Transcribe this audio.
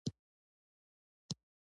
ما ورته وویل: همدا خو زما هیله هم وه.